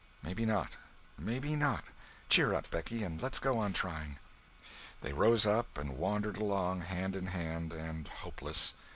"Maybe not, maybe not. Cheer up, Becky, and let's go on trying." They rose up and wandered along, hand in hand and hopeless.